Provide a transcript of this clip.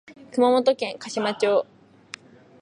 熊本県嘉島町